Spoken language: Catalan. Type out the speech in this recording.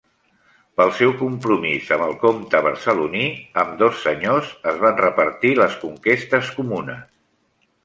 Pel seu compromís amb el comte barceloní, ambdós senyors es van repartir les conquestes comunes.